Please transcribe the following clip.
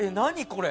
これ。